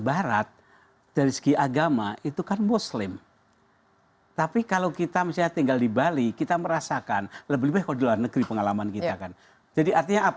aaonly dan seseorang di